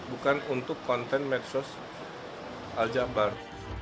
bukan untuk konten medsos al jabar